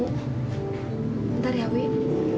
bentar ya wik